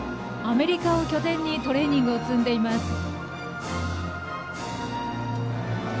アメリカを拠点にトレーニングを積んでいます。